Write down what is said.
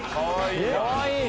かわいい！